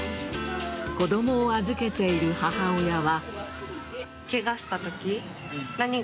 子供を預けている母親は。